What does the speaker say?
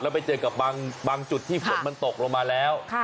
ไปเจอกับบางจุดที่ฝนมันตกลงมาแล้ว